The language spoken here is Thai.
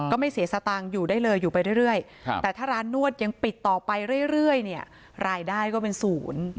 ไม่เสียสตางค์อยู่ได้เลยอยู่ไปเรื่อยแต่ถ้าร้านนวดยังปิดต่อไปเรื่อยเนี่ยรายได้ก็เป็นศูนย์